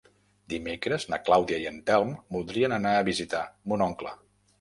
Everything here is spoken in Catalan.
Dimecres na Clàudia i en Telm voldria anar a visitar mon oncle.